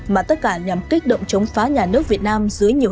mà tất cả nhằm kích động chống phá nhà nước việt nam